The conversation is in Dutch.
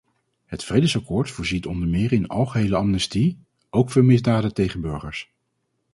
Het vredesakkoord voorziet onder meer in algehele amnestie, ook voor misdaden tegen burgers.